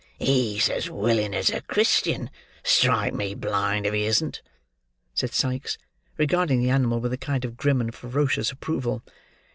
"He's as willing as a Christian, strike me blind if he isn't!" said Sikes, regarding the animal with a kind of grim and ferocious approval.